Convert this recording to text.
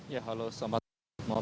ya halo selamat malam